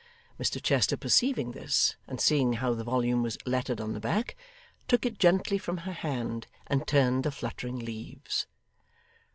Mr Chester perceiving this, and seeing how the volume was lettered on the back, took it gently from her hand, and turned the fluttering leaves.